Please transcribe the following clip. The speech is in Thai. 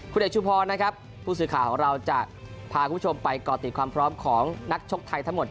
คุณเอกชุมพรนะครับผู้สื่อข่าวของเราจะพาคุณผู้ชมไปก่อติดความพร้อมของนักชกไทยทั้งหมด